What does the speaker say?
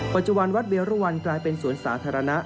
ปัจจุบันวัดเวรุวันกลายเป็นสวนสาธารณะ